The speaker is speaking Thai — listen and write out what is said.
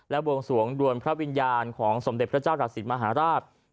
บวงสวงดวนพระวิญญาณของสมเด็จพระเจ้าตักศิลปมหาราช